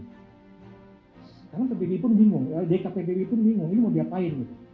sekarang pbb pun bingung dkpb pun bingung ini mau diapain